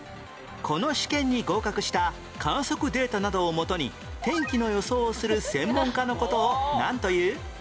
この試験に合格した観測データなどをもとに天気の予想をする専門家の事をなんという？